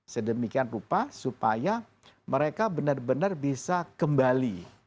sedemikian rupa supaya mereka benar benar bisa kembali